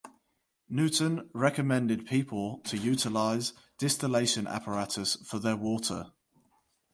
Newton recommended people to utilize distillation apparatus for their water.